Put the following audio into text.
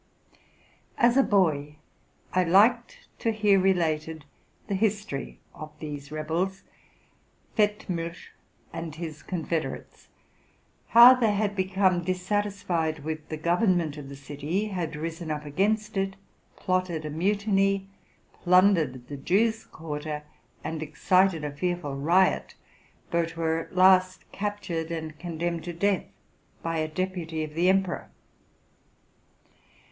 As a boy, I liked to hear related the history of these rebels, — Fettmilch and his confederates, — how they had become dissatisfied with the government of the city, had risen up against it, plotted a mutiny, plundered the Jews' quarter, and excited a fearful riot, but were at last captured, and condemned to death by a deputy of the emperor.